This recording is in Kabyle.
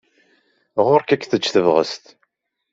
Ɣur-k ad k-teǧǧ tebɣest.